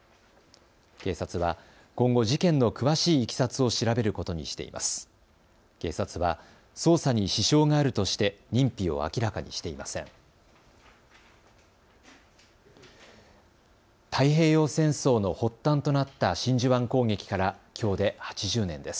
警察は今後、事件の詳しいいきさつを調べることにしています。